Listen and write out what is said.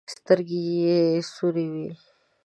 سترګې يې سورې وې.